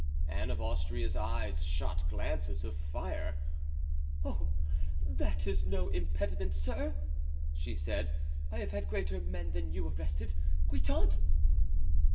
Anne of Austria's eyes shot glances of fire. "Oh! that is no impediment, sir," said she; "I have had greater men than you arrested—Guitant!"